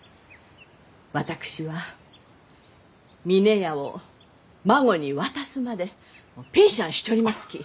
私は峰屋を孫に渡すまでピンシャンしちょりますき。